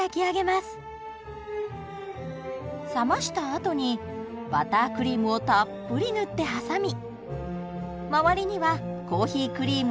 冷ましたあとにバタークリームをたっぷり塗って挟みまわりにはコーヒークリームを塗ります。